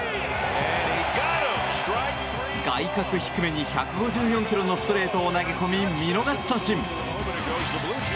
外角低めに、１５４キロのストレートを投げ込み見逃し三振！